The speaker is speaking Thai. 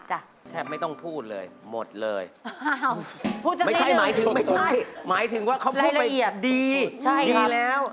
จ้ะแทบไม่ต้องพูดเลยหมดเลยไม่ใช่หมายถึงว่าเขาพูดดีดีแล้ว